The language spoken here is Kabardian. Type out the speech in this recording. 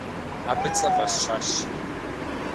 Абы цӏэ фӀэсщащ.